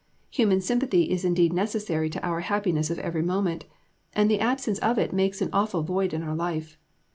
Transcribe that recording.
Human sympathy is indeed necessary to our happiness of every moment, and the absence of it makes an awful void in our life.